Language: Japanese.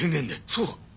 そうだ！